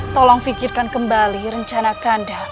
tolong fikirkan kembali rencana kanda